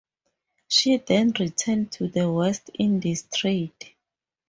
She then returned to the West Indies trade.